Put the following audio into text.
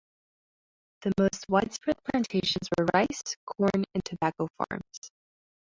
The most widespread plantations were rice, corn and tobacco farms.